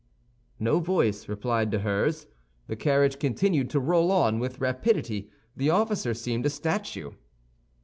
No voice replied to hers; the carriage continued to roll on with rapidity; the officer seemed a statue.